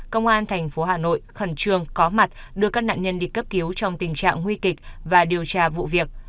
công an thành phố hà nội khẩn trương có mặt đưa các nạn nhân đi cấp cứu trong tình trạng nguy kịch và điều tra vụ việc